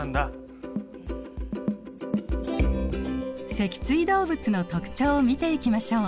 脊椎動物の特徴を見ていきましょう。